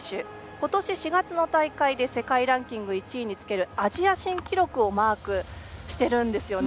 今年４月の大会で世界ランキング１位につけるアジア新記録をマークしているんですよね